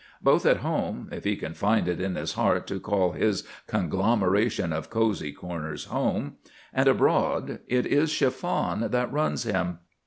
Both at home (if he can find it in his heart to call his conglomeration of cosey corners home) and abroad it is Chiffon that runs him.